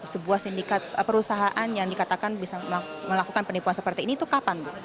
sebuah sindikat perusahaan yang dikatakan bisa melakukan penipuan seperti ini itu kapan